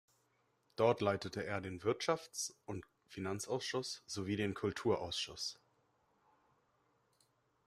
Dort leitete er den Wirtschafts- und Finanzausschuss sowie den Kulturausschuss.